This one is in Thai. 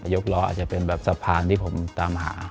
ยกล้ออาจจะเป็นแบบสะพานที่ผมตามหา